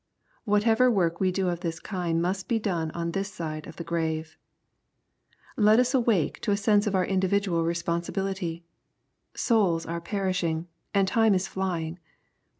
Whatever work we do of this kind must be done on this side of the grave. Let us awake to a sense of our individual responsibility. Souls are perishing, and time is flying.